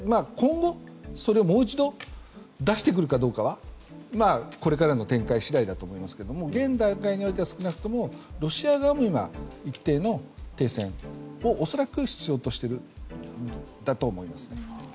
今後、それをもう一度出してくるかどうかはこれからの展開次第だと思いますけれども現段階においては少なくともロシア側も一定の停戦を恐らく必要としているんだと思います。